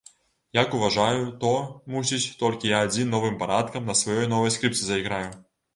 Як уважаю, то, мусіць, толькі я адзін новым парадкам на сваёй новай скрыпцы зайграю.